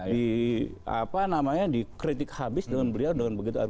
di apa namanya dikritik habis dengan beliau dengan begitu